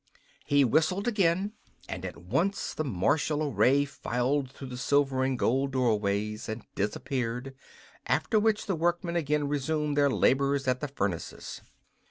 He whistled again, and at once the martial array filed through the silver and gold doorways and disappeared, after which the workmen again resumed their labors at the furnaces.